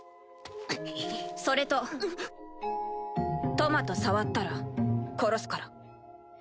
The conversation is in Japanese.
トマト触ったら殺すから。